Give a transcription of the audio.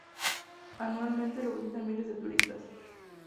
Anualmente lo visitan miles de turistas.